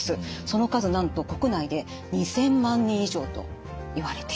その数なんと国内で２，０００万人以上といわれています。